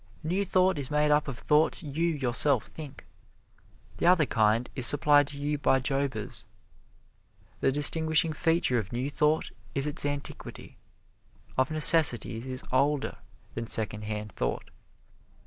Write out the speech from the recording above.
New Thought is made up of thoughts you, yourself, think. The other kind is supplied to you by jobbers. The distinguishing feature of New Thought is its antiquity. Of necessity it is older than Secondhand Thought.